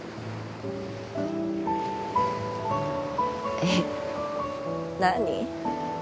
えっ？何？